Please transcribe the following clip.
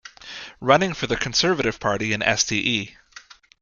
Running for the Conservative Party in Ste.